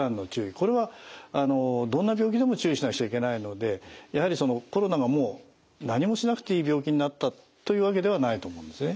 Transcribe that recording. これはどんな病気でも注意しなくちゃいけないのでやはりコロナがもう何もしなくていい病気になったというわけではないと思うんですね。